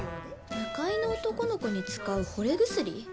「向かいの男の子に使うほれ薬」？